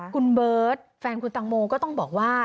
คุณเบิร์ตแฟนคุณตังโมก็ต้องบอกว่า